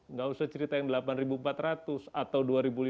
nggak usah cerita yang delapan ribu empat ratus atau dua ribu lima ratus